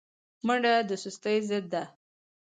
منډه د سستۍ ضد ده